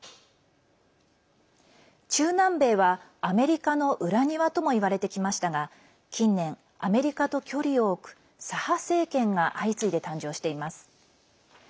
中南米は、アメリカの裏庭とも言われてきましたが近年、アメリカと距離を置く左派政権が相次いで誕生しています。